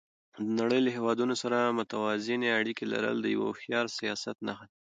د نړۍ له هېوادونو سره متوازنې اړیکې لرل د یو هوښیار سیاست نښه ده.